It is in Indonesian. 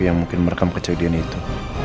yang mungkin merekam kejadian itu